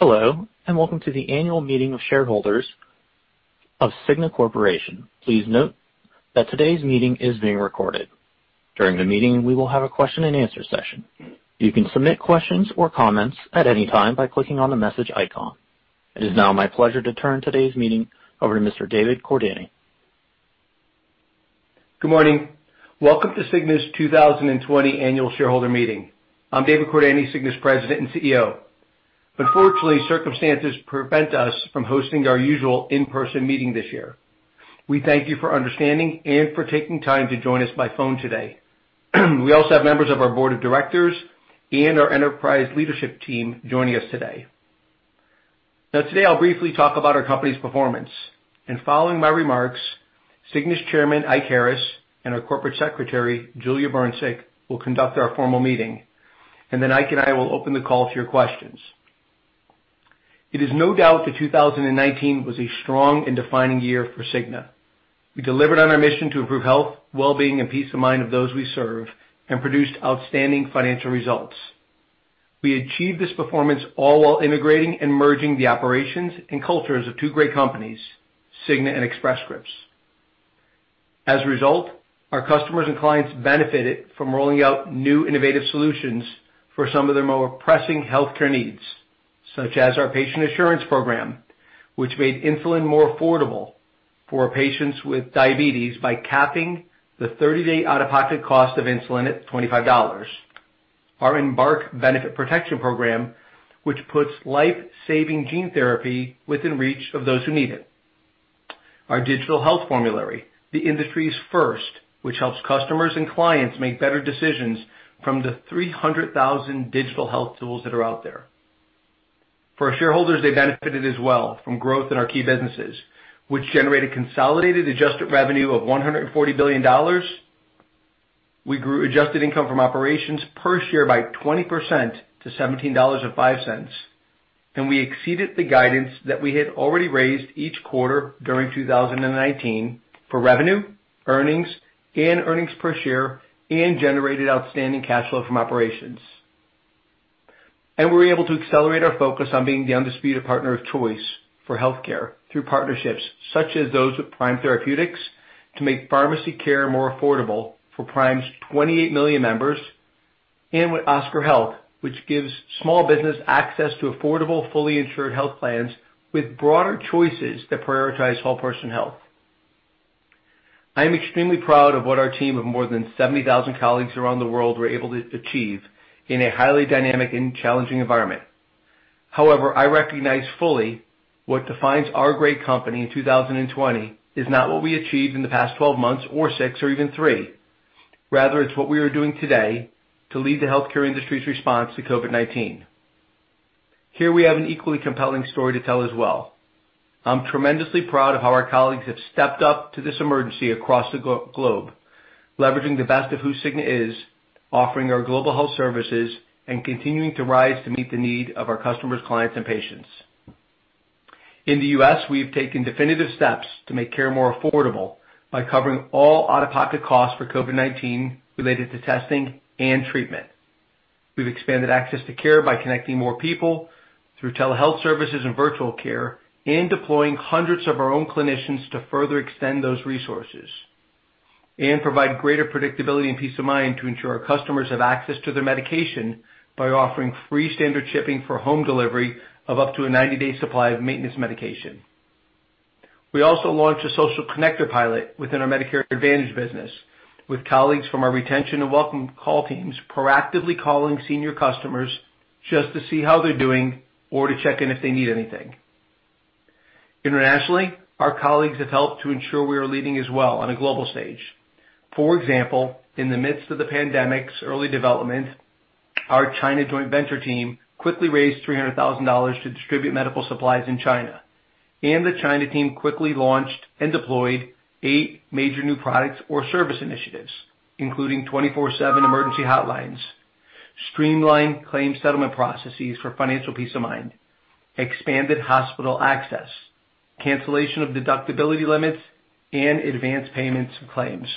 Hello, and welcome to the annual meeting of shareholders of Cigna Corporation. Please note that today's meeting is being recorded. During the meeting, we will have a question and answer session. You can submit questions or comments at any time by clicking on the message icon. It is now my pleasure to turn today's meeting over to Mr. David Cordani. Good morning. Welcome to Cigna's 2020 annual shareholder meeting. I'm David Cordani, Cigna's President and CEO. Unfortunately, circumstances prevent us from hosting our usual in-person meeting this year. We thank you for understanding and for taking time to join us by phone today. We also have members of our Board of Directors and our enterprise leadership team joining us today. Today I'll briefly talk about our company's performance. Following my remarks, Cigna's Chairman Ike Harris and our Corporate Secretary Julia Brncic will conduct our formal meeting. Ike and I will open the call to your questions. It is no doubt that 2019 was a strong and defining year for Cigna. We delivered on our mission to improve health, well-being, and peace of mind of those we serve and produced outstanding financial results. We achieved this performance all while integrating and merging the operations and cultures of two great companies, Cigna and Express Scripts. As a result, our customers and clients benefited from rolling out new innovative solutions for some of their more pressing healthcare needs, such as our Patient Assurance Program, which made insulin more affordable for patients with diabetes by capping the 30-day out-of-pocket cost of insulin at $25. Our Embarc Benefit Protection Program, which puts life-saving gene therapy within reach of those who need it. Our Digital Health Formulary, the industry's first, which helps customers and clients make better decisions from the 300,000 digital health tools that are out there. For our shareholders, they benefited as well from growth in our key businesses, which generated consolidated adjusted revenue of $140 billion. We grew adjusted income from operations per share by 20% to $17.05, and we exceeded the guidance that we had already raised each quarter during 2019 for revenue, earnings, and earnings per share, and generated outstanding cash flow from operations. We were able to accelerate our focus on being the undisputed partner of choice for healthcare through partnerships such as those with Prime Therapeutics to make pharmacy care more affordable for Prime's 28 million members, and with Oscar Health, which gives small business access to affordable, fully insured health plans with broader choices that prioritize whole person health. I am extremely proud of what our team of more than 70,000 colleagues around the world were able to achieve in a highly dynamic and challenging environment. However, I recognize fully what defines our great company in 2020 is not what we achieved in the past 12 months or 6 or even 3. Rather, it's what we are doing today to lead the healthcare industry's response to COVID-19. Here we have an equally compelling story to tell as well. I'm tremendously proud of how our colleagues have stepped up to this emergency across the globe, leveraging the best of who Cigna is, offering our global health services, and continuing to rise to meet the need of our customers, clients, and patients. In the U.S., we have taken definitive steps to make care more affordable by covering all out-of-pocket costs for COVID-19 related to testing and treatment. We've expanded access to care by connecting more people through telehealth services and virtual care and deploying hundreds of our own clinicians to further extend those resources and provide greater predictability and peace of mind to ensure our customers have access to their medication by offering free standard shipping for home delivery of up to a 90-day supply of maintenance medication. We also launched a social connector pilot within our Medicare Advantage business, with colleagues from our retention and welcome call teams proactively calling senior customers just to see how they're doing or to check in if they need anything. Internationally, our colleagues have helped to ensure we are leading as well on a global stage. For example, in the midst of the pandemic's early development, our China joint venture team quickly raised $300,000 to distribute medical supplies in China, and the China team quickly launched and deployed eight major new products or service initiatives, including 24/7 emergency hotlines, streamlined claim settlement processes for financial peace of mind, expanded hospital access, cancellation of deductibility limits, and advanced payments of claims.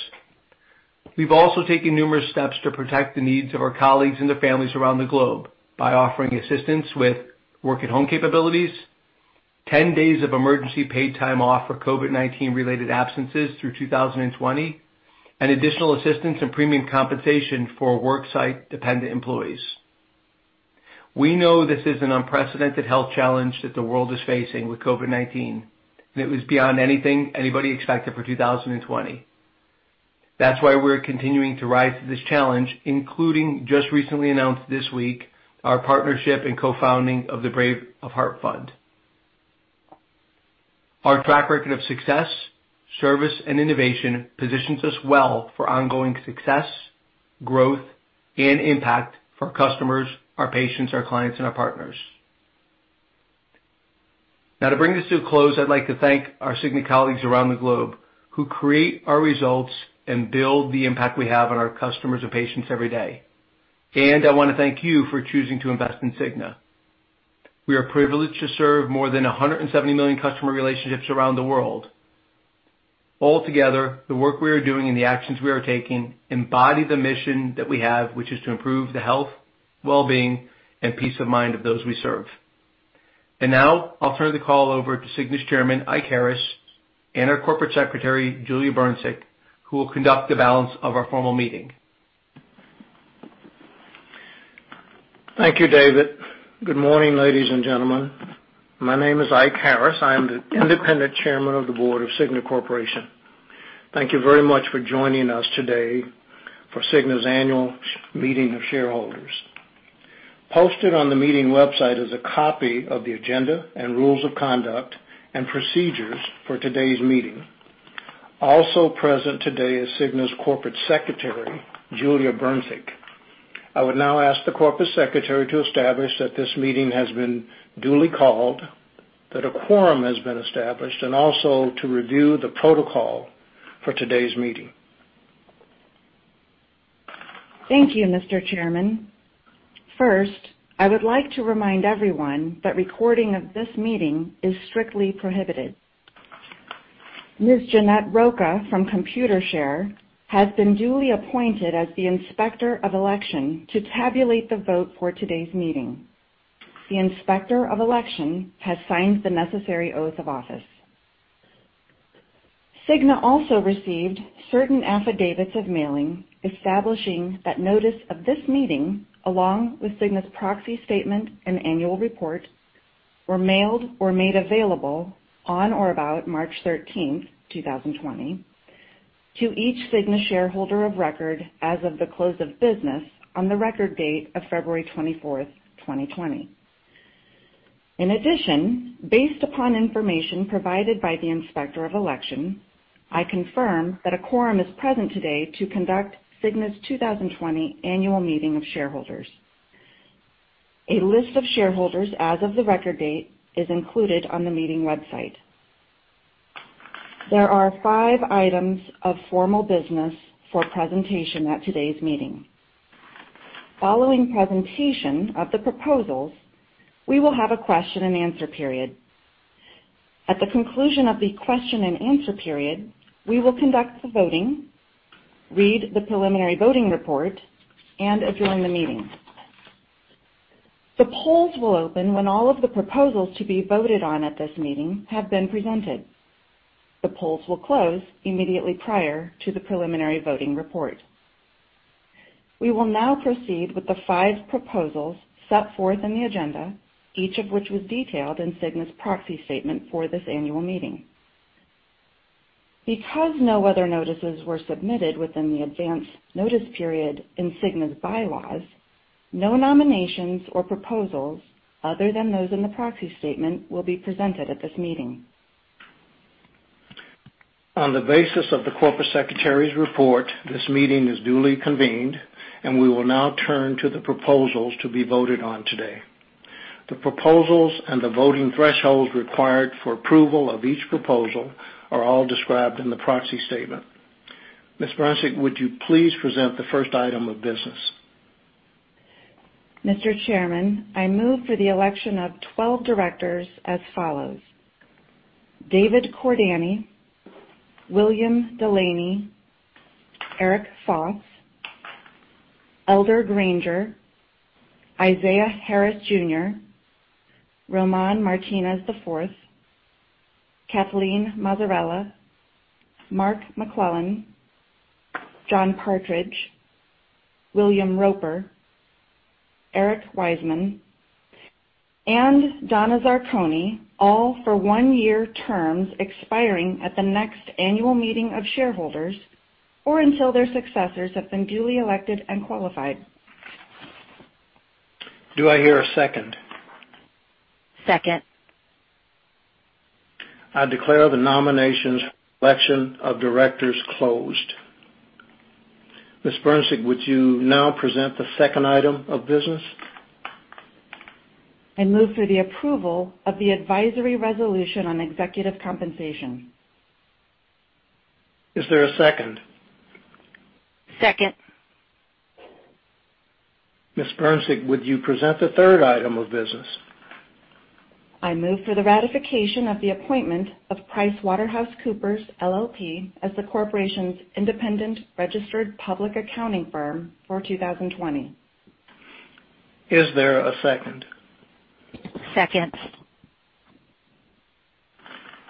We've also taken numerous steps to protect the needs of our colleagues and their families around the globe by offering assistance with work at home capabilities, 10 days of emergency paid time off for COVID-19-related absences through 2020, and additional assistance and premium compensation for worksite-dependent employees. We know this is an unprecedented health challenge that the world is facing with COVID-19, and it was beyond anything anybody expected for 2020. That's why we're continuing to rise to this challenge, including just recently announced this week our partnership and co-founding of the Brave of Heart Fund. Our track record of success, service, and innovation positions us well for ongoing success, growth, and impact for our customers, our patients, our clients, and our partners. Now, to bring this to a close, I'd like to thank our Cigna colleagues around the globe who create our results and build the impact we have on our customers and patients every day. I want to thank you for choosing to invest in Cigna. We are privileged to serve more than 170 million customer relationships around the world. Altogether, the work we are doing and the actions we are taking embody the mission that we have, which is to improve the health, well-being, and peace of mind of those we serve. Now, I'll turn the call over to Cigna's Chairman Ike Harris and our Corporate Secretary Julia Brncic, who will conduct the balance of our formal meeting. Thank you, David. Good morning, ladies and gentlemen. My name is Ike Harris. I am the Independent Chairman of the Board of Cigna Corporation. Thank you very much for joining us today for Cigna's annual meeting of shareholders. Posted on the meeting website is a copy of the agenda and rules of conduct and procedures for today's meeting. Also present today is Cigna's Corporate Secretary, Julia Brncic. I would now ask the Corporate Secretary to establish that this meeting has been duly called, that a quorum has been established, and also to review the protocol for today's meeting. Thank you, Mr. Chairman. First, I would like to remind everyone that recording of this meeting is strictly prohibited. Ms. Jeanette Rocha from Computershare has been duly appointed as the Inspector of Election to tabulate the vote for today's meeting. The Inspector of Election has signed the necessary oath of office. Cigna also received certain affidavits of mailing establishing that notice of this meeting, along with Cigna's proxy statement and annual report, were mailed or made available on or about March 13th, 2020, to each Cigna shareholder of record as of the close of business on the record date of February 24th, 2020. In addition, based upon information provided by the Inspector of Election, I confirm that a quorum is present today to conduct Cigna's 2020 annual meeting of shareholders. A list of shareholders as of the record date is included on the meeting website. There are five items of formal business for presentation at today's meeting. Following presentation of the proposals, we will have a question and answer period. At the conclusion of the question and answer period, we will conduct the voting, read the preliminary voting report, and adjourn the meeting. The polls will open when all of the proposals to be voted on at this meeting have been presented. The polls will close immediately prior to the preliminary voting report. We will now proceed with the five proposals set forth in the agenda, each of which was detailed in Cigna's proxy statement for this annual meeting. Because no other notices were submitted within the advance notice period in Cigna's bylaws, no nominations or proposals other than those in the proxy statement will be presented at this meeting. On the basis of the Corporate Secretary's report, this meeting is duly convened, and we will now turn to the proposals to be voted on today. The proposals and the voting threshold required for approval of each proposal are all described in the proxy statement. Ms. Brncic, would you please present the first item of business? Mr. Chairman, I move for the election of 12 directors as follows: David Cordani, William Delaney, Eric Foss, Elder Granger, Ike Harris, Román Martínez IV, Kathleen Mazzarella, Mark McClellan, John Partridge, William Roper, Eric Wiseman, and Donna Zarcone, all for one-year terms expiring at the next annual meeting of shareholders or until their successors have been duly elected and qualified. Do I hear a second? Second. I declare the nominations for the election of directors closed. Ms. Brncic, would you now present the second item of business? I move for the approval of the advisory resolution on executive compensation. Is there a second? Second. Ms. Brncic, would you present the third item of business? I move for the ratification of the appointment of PricewaterhouseCoopers LLP as the corporation's independent registered public accounting firm for 2020. Is there a second? Second.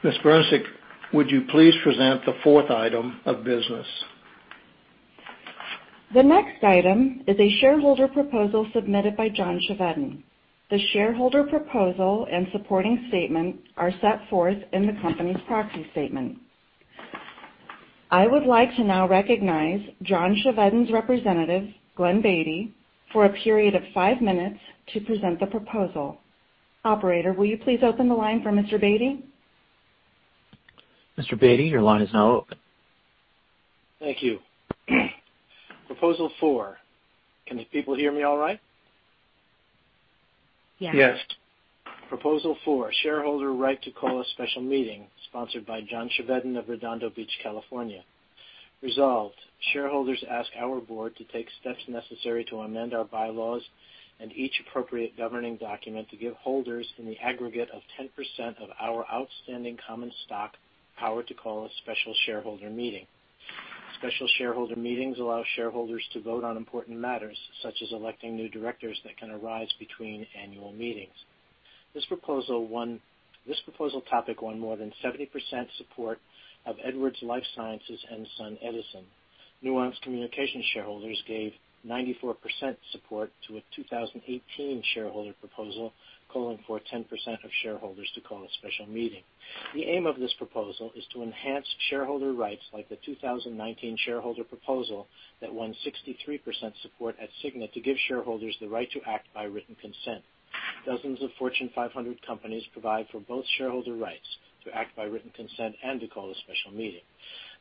Ms. Brncic, would you please present the fourth item of business? The next item is a shareholder proposal submitted by John Chevedden. The shareholder proposal and supporting statement are set forth in the company's proxy statement. I would like to now recognize John Chevedden's representative, Glen Beatty, for a period of five minutes to present the proposal. Operator, will you please open the line for Mr. Beatty? Mr. Beatty, your line is now open. Thank you. Proposal four. Can the people hear me all right? Yes. Yes. Proposal four, shareholder right to call a special meeting sponsored by John Chevedden of Redondo Beach, California. Resolved. Shareholders ask our board to take steps necessary to amend our bylaws and each appropriate governing document to give holders in the aggregate of 10% of our outstanding common stock power to call a special shareholder meeting. Special shareholder meetings allow shareholders to vote on important matters, such as electing new directors that can arise between annual meetings. This proposal topic won more than 70% support at Edwards Lifesciences and SunEdison. Nuance Communications shareholders gave 94% support to a 2018 shareholder proposal calling for 10% of shareholders to call a special meeting. The aim of this proposal is to enhance shareholder rights like the 2019 shareholder proposal that won 63% support at Cigna to give shareholders the right to act by written consent. Dozens of Fortune 500 companies provide for both shareholder rights to act by written consent and to call a special meeting.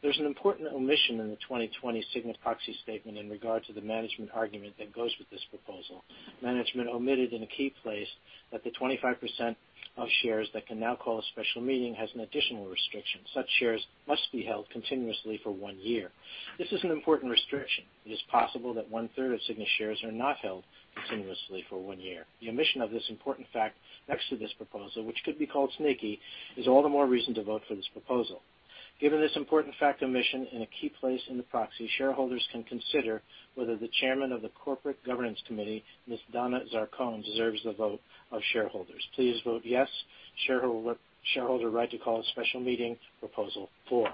There's an important omission in the 2020 Cigna proxy statement in regard to the management argument that goes with this proposal. Management omitted in a key place that the 25% of shares that can now call a special meeting has an additional restriction. Such shares must be held continuously for one year. This is an important restriction. It is possible that 1/3 of Cigna shares are not held continuously for one year. The omission of this important fact next to this proposal, which could be called sneaky, is all the more reason to vote for this proposal. Given this important fact omission in a key place in the proxy, shareholders can consider whether the Chairman of the Corporate Governance Committee, Ms. Donna Zarcone, deserves the vote of shareholders. Please vote yes, shareholder right to call a special meeting proposal four.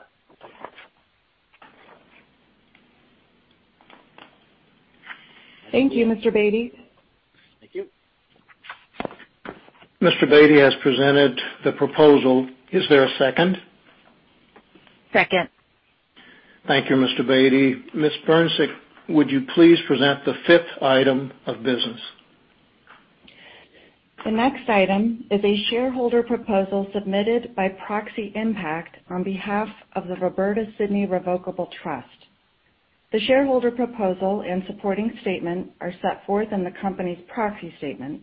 Thank you, Mr. Beatty. Mr. Beatty has presented the proposal. Is there a second? Second. Thank you, Mr. Beatty. Ms. Brncic, would you please present the fifth item of business? The next item is a shareholder proposal submitted by Proxy Impact on behalf of the Roberta Sidney Revocable Trust. The shareholder proposal and supporting statement are set forth in the company's proxy statement.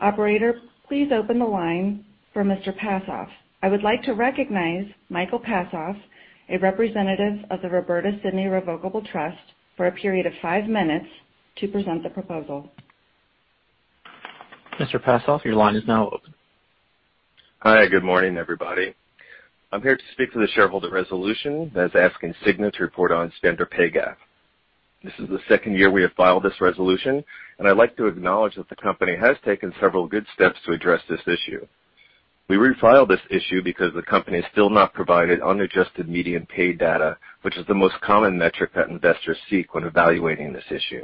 Operator, please open the line for Mr. Passoff. I would like to recognize Michael Passoff, a representative of the Roberta Sidney Revocable Trust, for a period of five minutes to present the proposal. Mr. Passoff, your line is now open. Hi, good morning, everybody. I'm here to speak to the shareholder resolution that's asking Cigna to report on standard pay gap. This is the second year we have filed this resolution, and I'd like to acknowledge that the company has taken several good steps to address this issue. We refiled this issue because the company has still not provided unadjusted median pay data, which is the most common metric that investors seek when evaluating this issue.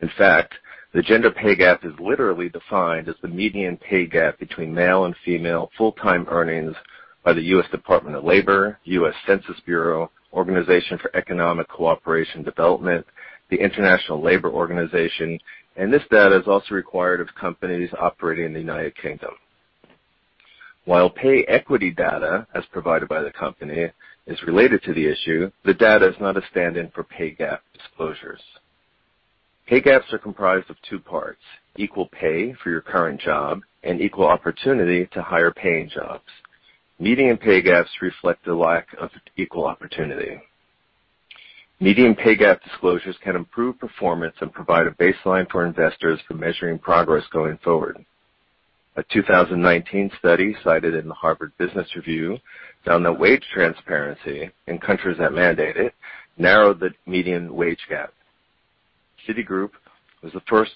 In fact, the gender pay gap is literally defined as the median pay gap between male and female full-time earnings by the U.S. Department of Labor, U.S. Census Bureau, Organization for Economic Cooperation and Development, the International Labor Organization, and this data is also required of companies operating in the United Kingdom. While pay equity data as provided by the company is related to the issue, the data is not a stand-in for pay gap disclosures. Pay gaps are comprised of two parts: equal pay for your current job and equal opportunity to higher paying jobs. Median pay gaps reflect the lack of equal opportunity. Median pay gap disclosures can improve performance and provide a baseline for investors for measuring progress going forward. A 2019 study cited in the Harvard Business Review found that wage transparency in countries that mandate it narrowed the median wage gap. Citigroup was the first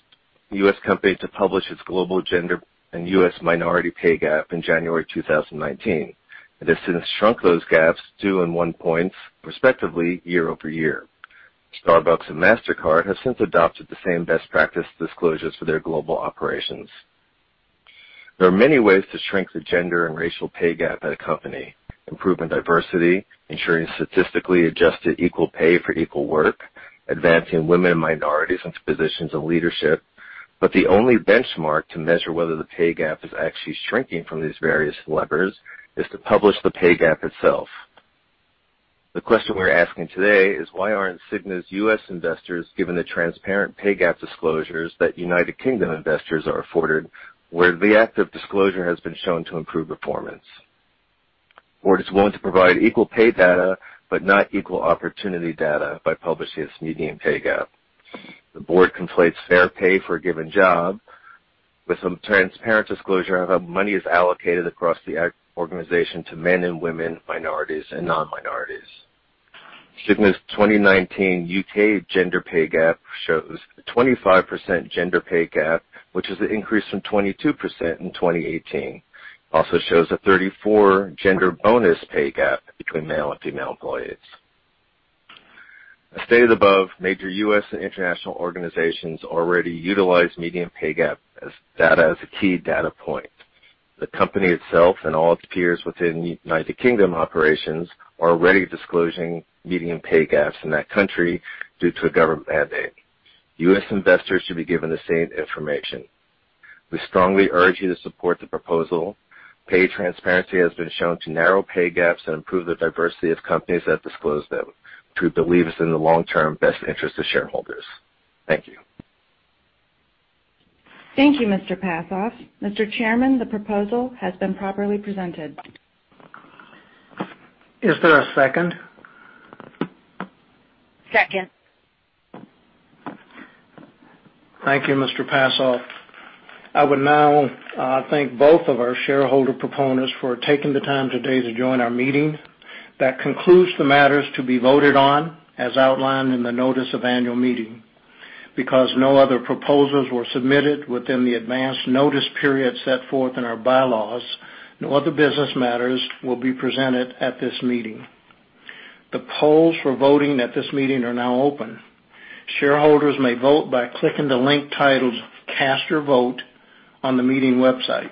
U.S. company to publish its global gender and U.S. minority pay gap in January 2019. It has since shrunk those gaps two and one points, respectively, year-over-year. Starbucks and Mastercard have since adopted the same best practice disclosures for their global operations. There are many ways to shrink the gender and racial pay gap at a company: improving diversity, ensuring statistically adjusted equal pay for equal work, advancing women and minorities into positions of leadership. The only benchmark to measure whether the pay gap is actually shrinking from these various levers is to publish the pay gap itself. The question we're asking today is why aren't Cigna's U.S. investors given the transparent pay gap disclosures that United Kingdom investors are afforded, where the act of disclosure has been shown to improve performance? Is it willing to provide equal pay data but not equal opportunity data by publishing its median pay gap? The board conflates fair pay for a given job with some transparent disclosure of how money is allocated across the organization to men and women, minorities, and non-minorities. Cigna's 2019 U.K. gender pay gap shows a 25% gender pay gap, which is an increase from 22% in 2018. It also shows a 34% gender bonus pay gap between male and female employees. As stated above, major U.S. and international organizations already utilize median pay gap data as a key data point. The company itself and all its peers within the United Kingdom operations are already disclosing median pay gaps in that country due to a government mandate. U.S. investors should be given the same information. We strongly urge you to support the proposal. Pay transparency has been shown to narrow pay gaps and improve the diversity of companies that disclose them, which we believe is in the long-term best interest of shareholders. Thank you. Thank you, Mr. Passoff. Mr. Chairman, the proposal has been properly presented. Is there a second? Second. Thank you, Mr. Passoff. I would now thank both of our shareholder proponents for taking the time today to join our meeting. That concludes the matters to be voted on as outlined in the notice of annual meeting. Because no other proposals were submitted within the advance notice period set forth in our bylaws, no other business matters will be presented at this meeting. The polls for voting at this meeting are now open. Shareholders may vote by clicking the link titled Cast Your Vote on the meeting website.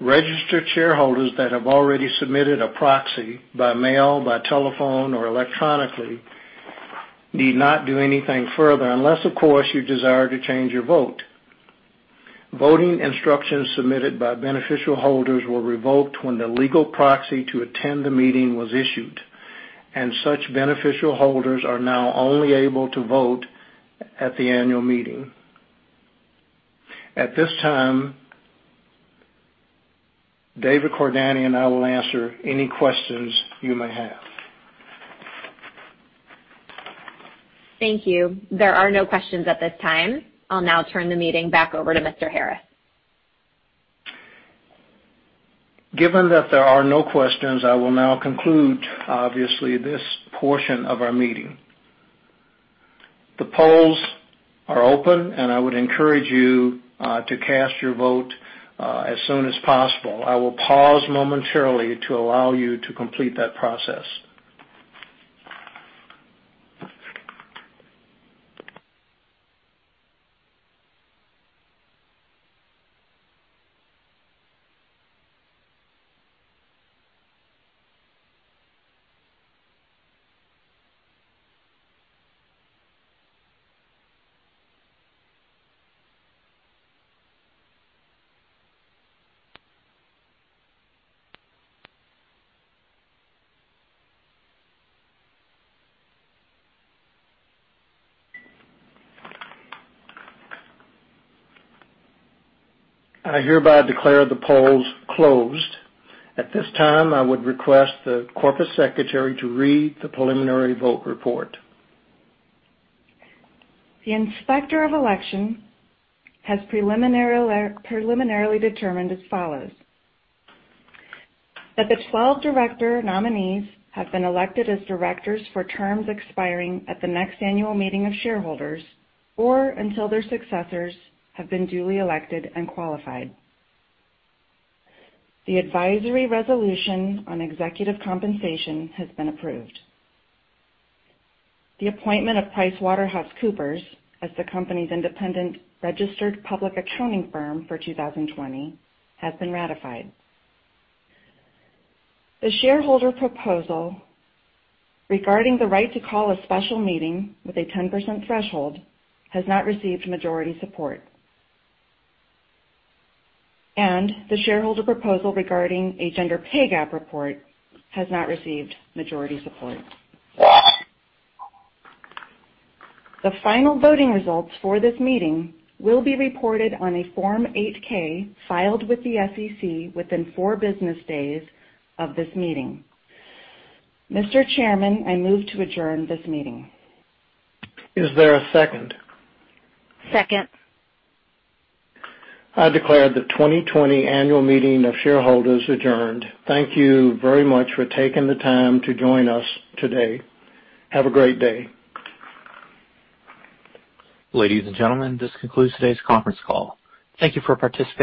Registered shareholders that have already submitted a proxy by mail, by telephone, or electronically need not do anything further unless, of course, you desire to change your vote. Voting instructions submitted by beneficial holders will revoke when the legal proxy to attend the meeting was issued, and such beneficial holders are now only able to vote at the annual meeting. At this time, David Cordani and I will answer any questions you may have. Thank you. There are no questions at this time. I'll now turn the meeting back over to Mr. Harris. Given that there are no questions, I will now conclude this portion of our meeting. The polls are open, and I would encourage you to cast your vote as soon as possible. I will pause momentarily to allow you to complete that process. I hereby declare the polls closed. At this time, I would request the Corporate Secretary to read the preliminary vote report. The Inspector of Election has preliminarily determined as follows: that the 12 director nominees have been elected as directors for terms expiring at the next annual meeting of shareholders or until their successors have been duly elected and qualified. The advisory resolution on executive compensation has been approved. The appointment of PricewaterhouseCoopers as the company's independent registered public accounting firm for 2020 has been ratified. The shareholder proposal regarding the right to call a special meeting with a 10% threshold has not received majority support. The shareholder proposal regarding a gender pay gap report has not received majority support. The final voting results for this meeting will be reported on a Form 8-K filed with the SEC within four business days of this meeting. Mr. Chairman, I move to adjourn this meeting. Is there a second? Second. I declare the 2020 annual meeting of shareholders adjourned. Thank you very much for taking the time to join us today. Have a great day. Ladies and gentlemen, this concludes today's conference call. Thank you for participating.